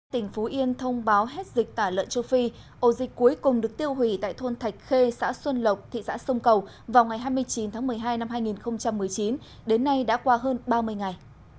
tỉnh phú yên thông báo hết dịch tả lợn châu phi ổ dịch cuối cùng được tiêu hủy tại thôn thạch khê xã xuân lộc thị xã sông cầu vào ngày hai mươi chín tháng một mươi hai năm hai nghìn một mươi chín đến nay đã qua hơn ba mươi ngày